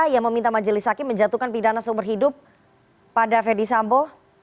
yang meminta majelis hakim menjatuhkan pidana seumur hidup pada fedy sambo